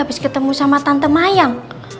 abis ketemu sama tante mayang